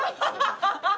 ハハハハ！